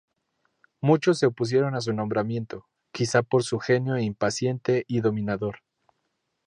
Muchos se opusieron a su nombramiento, quizá por su genio impaciente y dominador.